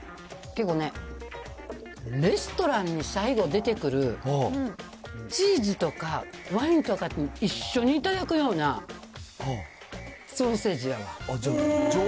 結構ね、レストランに最後出てくる、チーズとかワインとかと一緒に頂くようなソーセージやわ。